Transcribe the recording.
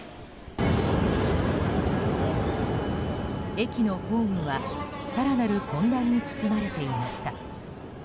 駅のホームは更なる混乱に包まれていました。